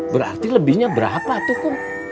berarti lebihnya berapa tuh akum